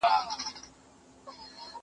هغه وويل چي قلمان پاکول ضروري دي!.